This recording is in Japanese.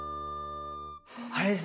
あれですね